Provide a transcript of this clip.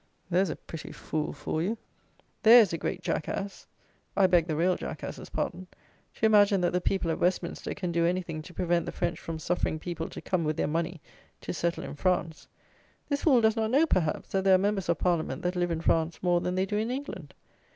There is a pretty fool for you! There is a great jackass (I beg the real jackass's pardon), to imagine that the people at Westminster can do anything to prevent the French from suffering people to come with their money to settle in France! This fool does not know, perhaps, that there are Members of Parliament that live in France more than they do in England.